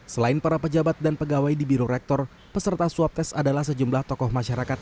selain para pejabat dan pegawai di biro rektor peserta swab test adalah sejumlah tokoh masyarakat